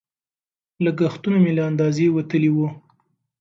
لګښتونه مې له اندازې وتلي وو.